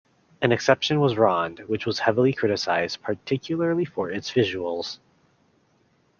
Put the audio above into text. An exception was "Ronde", which was heavily criticized, particularly for its visuals.